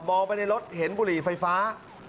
ไปในรถเห็นบุหรี่ไฟฟ้า